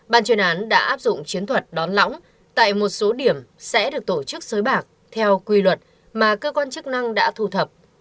ban chuyên án đã áp dụng chiến thuật đón lõng tại một số điểm sẽ được tổ chức sới bạc theo quy luật mà cơ quan chức năng đã thu thập